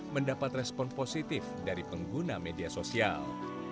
mendapat respon positif dari pengguna media sosial